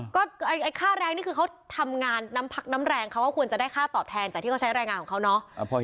ก็ไอ้ค่าแรงนี่คือเขาทำงานน้ำพักน้ำแรงเขาก็ควรจะได้ค่าตอบแทนจากที่เขาใช้แรงงานของเขาเนาะ